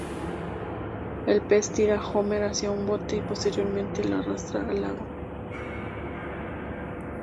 El pez tira a Homer hacia un bote y posteriormente al arrastre al lago.